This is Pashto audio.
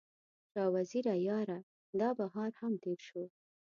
شاه وزیره یاره، دا بهار هم تیر شو